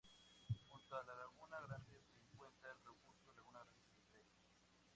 Junto a la Laguna Grande se encuentra el refugio Laguna Grande de Gredos.